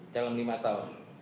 dalam lima tahun